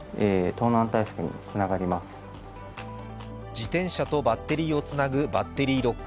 自転車とバッテリーをつなぐバッテリーロック。